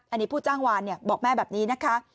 อันนี้ผู้จ้างวานบอกแม่แบบนี้นะคะ